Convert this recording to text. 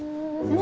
何？